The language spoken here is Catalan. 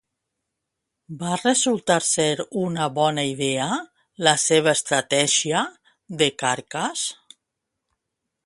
Va resultar ser una bona idea la seva estratègia de Carcas?